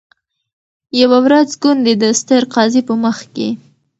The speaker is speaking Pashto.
یوه ورځ ګوندي د ستر قاضي په مخ کي